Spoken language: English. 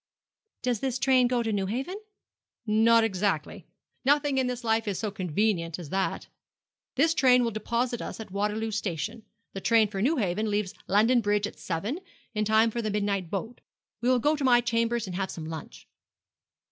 'Does this train go to Newhaven?' 'Not exactly. Nothing in this life is so convenient as that. This train will deposit us at Waterloo Station. The train for Newhaven leaves London Bridge at seven, in time for the midnight boat. We will go to my chambers and have some lunch.'